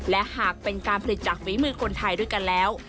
และหากเป็นการผลิตจากฝีมือคนไทยด้วยกันแล้ว